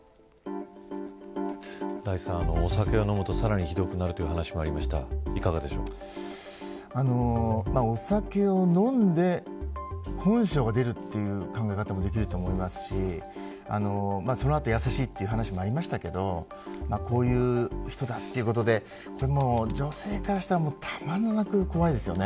お酒を飲むとさらにひどくなるという話もお酒を飲んで本性が出るという考え方もできると思いますしそのあと優しいという話もありましたけどこういう人だということで女性からしたらたまらなく怖いですよね。